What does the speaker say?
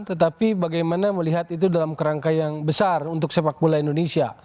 tetapi bagaimana melihat itu dalam kerangka yang besar untuk sepak bola indonesia